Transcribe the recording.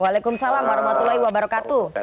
waalaikumsalam warahmatullahi wabarakatuh